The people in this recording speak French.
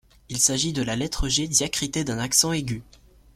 Il s’agit de la lettre G diacritée d’un accent aigu.